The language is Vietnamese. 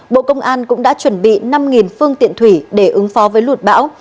bộ công an cũng đã chuẩn bị năm phương tiện thủy để ứng phó với lụt bão